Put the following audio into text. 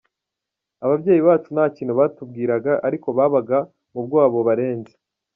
Ababyeyi bacu nta kintu batubwiraga, ariko babaga mu bwoba bubarenze!